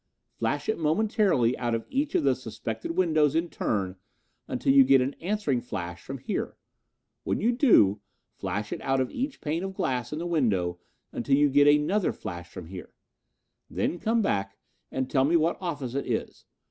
"Flash it momentarily out of each of the suspected windows in turn until you get an answering flash from here. When you do, flash it out of each pane of glass in the window until you get another flash from here. Then come back and tell me what office it is.